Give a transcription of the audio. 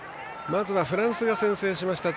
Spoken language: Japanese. まずはフランスが先制しました。